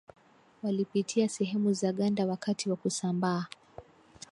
walipitia sehemu za ganda wakati wa kusambaa